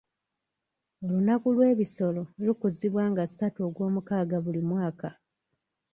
Olunaku lw'ebisolo lukuzibwa nga ssatu ogw'omukaaga buli mwaka.